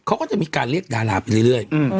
เขาก็จะมีการเรียกดาราไปเรื่อย